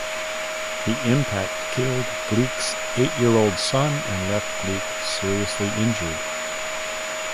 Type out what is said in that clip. The impact killed Gleick's eight-year-old son and left Gleick seriously injured.